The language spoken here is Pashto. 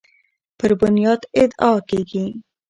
پر بنیاد ادعا کیږي